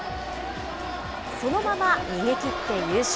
そのまま逃げ切って優勝。